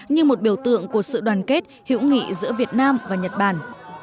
như một biểu tượng của sự đoàn kết hữu nghị giữa việt nam và nhật bản